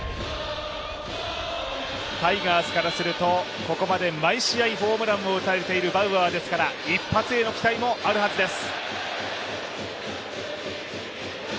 タイガースからすると、ここまで毎試合ホームランを打たれているバウアーですから、一発への期待もあるはずです。